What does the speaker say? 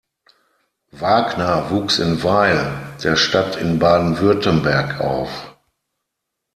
Wagner wuchs in Weil der Stadt in Baden-Württemberg auf.